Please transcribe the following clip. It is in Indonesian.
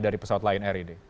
dari pesawat lain rid